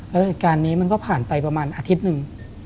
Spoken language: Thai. แล้วเหตุการณ์นี้มันก็ผ่านไปประมาณอาทิตย์หนึ่ง